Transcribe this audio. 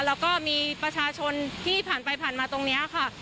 แล้วก็มีประชาชนที่ผ่านไปผ่านมาตรงนี้ค่ะ